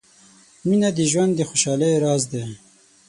• مینه د ژوند د خوشحالۍ راز دی.